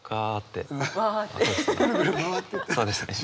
そうですね。